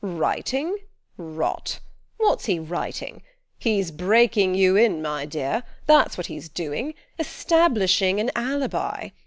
"Writing? Rot! What's he writing? He's breaking you in, my dear; that's what he's doing: establishing an alibi.